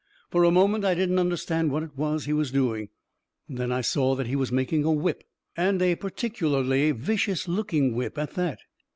For a moment, I didn't understand what it was he was doing; then I saw that he was making a whip — and a particularly vicious looking whip, at that